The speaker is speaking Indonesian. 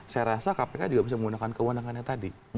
saya rasa kpk juga bisa menggunakan kewenangannya tadi